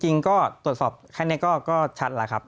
จริงก็ตรวจสอบแค่นี้ก็ชัดแล้วครับ